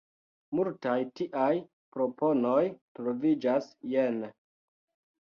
Multaj tiaj proponoj troviĝas jene.